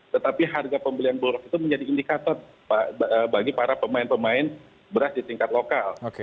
tetapi harga pembelian buruk itu menjadi indikator bagi para pemain pemain beras di tingkat lokal